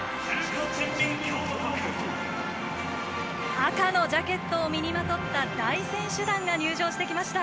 赤のジャケットを身にまとった大選手団が入場してきました。